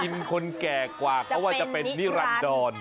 คนแก่กว่าเขาว่าจะเป็นนิรันดร